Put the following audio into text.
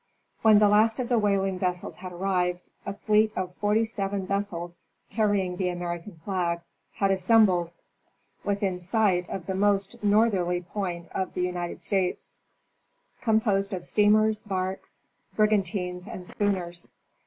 When the last of the whaling vessels had arrived, a fleet of forty seven vessels carrying the American flag had assembled within sight of the most northerly point of the United States, composed of steamers, barks, brigantines and schooners.